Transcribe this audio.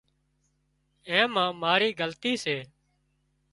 آنئين مان مارِي غلطي سي